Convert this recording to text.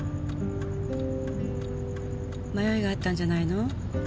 迷いがあったんじゃないの？